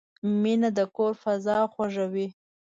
مینه د کور فضا خوږوي.